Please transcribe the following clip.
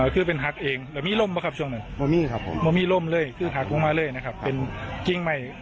คือหากุ้งมาเลยนะครับเป็นกิ้งใหม่ต้นมะคาแต้วครับ